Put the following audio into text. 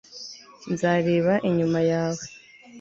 nzareba inyuma yawe